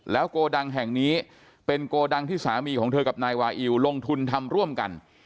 โกดังแห่งนี้เป็นโกดังที่สามีของเธอกับนายวาอิวลงทุนทำร่วมกัน